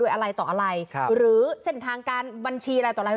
อะไรต่ออะไรหรือเส้นทางการบัญชีอะไรต่ออะไร